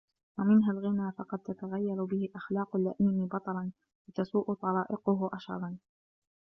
وَمِنْهَا الْغِنَى فَقَدْ تَتَغَيَّرُ بِهِ أَخْلَاقُ اللَّئِيمِ بَطَرًا ، وَتَسُوءُ طَرَائِقُهُ أَشَرًا